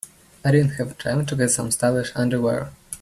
I didn't have time to get some stylish underwear.